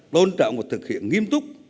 đôn trọng và thực hiện nghiêm túc